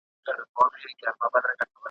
دې کوترو ته ورخلاصه لو فضا وه ,